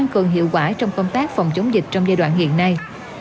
chống dịch trong giai đoạn hiện nay